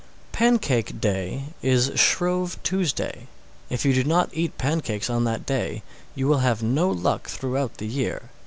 _ 620. Pancake Day is Shrove Tuesday. If you do not eat pancakes on that day, you will have no luck throughout the year.